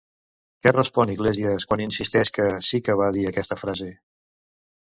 Què respon Iglesias quan insisteix que sí que va dir aquesta frase?